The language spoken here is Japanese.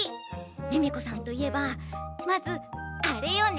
ミミコさんといえばまずあれよね。